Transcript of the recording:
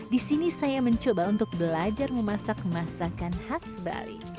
di sini saya mencoba untuk belajar memasak masakan khas bali